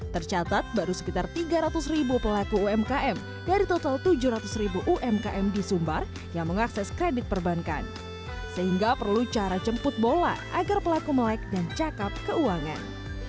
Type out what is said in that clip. tercatat baru sekitar tiga ratus ribu pelaku umkm dari total tujuh ratus ribu umkm di sumbar yang mengakses kredit perbankan sehingga perlu cara jemput bola agar pelaku melek dan cakap keuangan